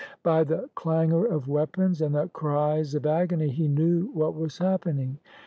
By the clangor of weapons and the cries of agony, he knew what was happening.